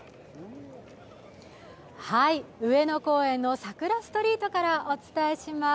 上の公園のさくらストリートからお伝えします。